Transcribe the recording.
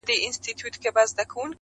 له لښكر څخه را ليري سو تنها سو!!